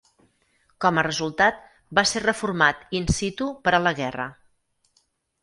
Com a resultat, va ser reformat "in situ" per a la guerra.